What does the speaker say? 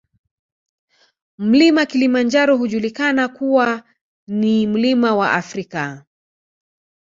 Mlima Kilimanjaro hujulikana kuwa kuwa ni mlima wa Afrika